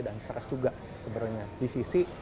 dan stress juga sebenarnya di sisi